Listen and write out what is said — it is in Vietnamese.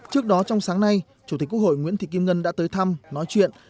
trước đó trong sáng nay chủ tịch quốc hội nguyễn thị kim ngân đã tới thăm nói chuyện